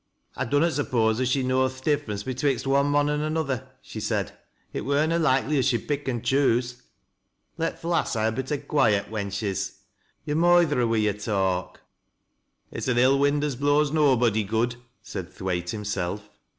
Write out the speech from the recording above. " I dunnot suppose as she knowd th' difference betwixt one mon an' another," she said. " It wur na loikely as she'd pick and choose. Let th' lass ha' a bit o' quoiet, wenches. To' moither her wi' yore talk." " It's an ill wind as blows nobody good," said Thwaite himself.